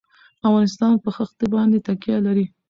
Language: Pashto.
افغانستان په ښتې باندې تکیه لري.